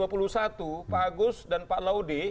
pak agus dan pak laude